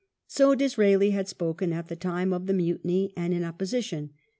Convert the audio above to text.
So Disraeli had spoken at the time of the Mutiny, and in Opposition.